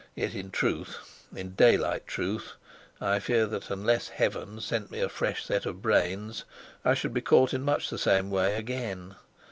Yet in truth in daylight truth I fear that, unless Heaven sent me a fresh set of brains, I should be caught in much the same way again.